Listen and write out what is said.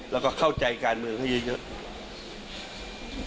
แล้วก็เข้าใจการเมืองให้เยอะ